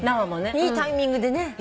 いいタイミングでね。